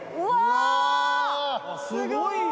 すごいよ！